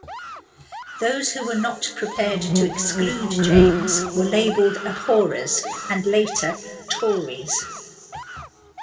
Those who were not prepared to exclude James were labelled "Abhorrers" and later "Tories".